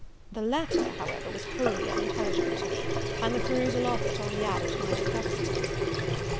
"The letter, however, was wholly unintelligible to me, and the perusal of it only added to my perplexity.